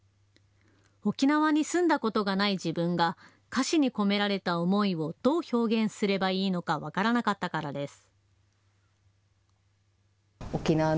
沖縄に住んだことがない自分が歌詞に込められた思いをどう表現すればいいのか分からなかったからです。